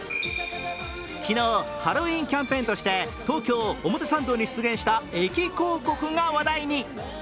昨日、ハロウィーンキャンペーンとして東京・表参道に出現した駅広告が話題に。